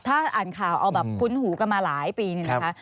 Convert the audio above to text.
ถ้าอ่านข่าวเอาแบบคุ้นหูกันมาหลายปีเนี่ยนะคะ